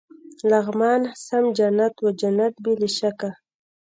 لغمان سم جنت و، جنت بې له شکه.